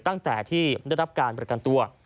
ตั้งแต่ที่ได้รับการประกันตัว